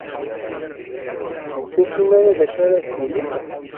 Ur tufim ara d acu ara d-tinim.